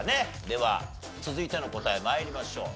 では続いての答え参りましょう。